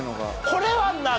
これは何？